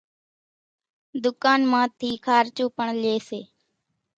ڌُوڪان مان ٿي کارچون پڻ لئي سي،